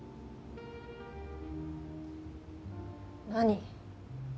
何？